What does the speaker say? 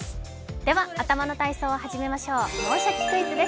では頭の体操を始めましょう、「脳シャキ！クイズ」です。